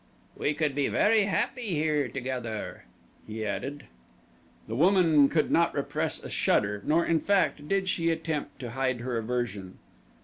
"We could be very happy here together," he added. The woman could not repress a shudder, nor, in fact, did she attempt to hide her aversion.